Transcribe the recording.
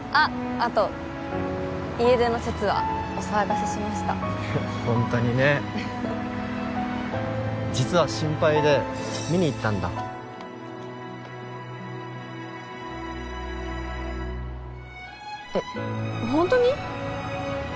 あと家出の節はお騒がせしましたホントにね実は心配で見に行ったんだえっホントに？